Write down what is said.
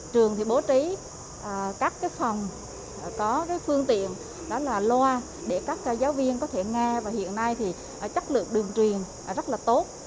trường bố trí các phòng có phương tiện loa để các giáo viên có thể nghe và hiện nay chất lượng đường truyền rất tốt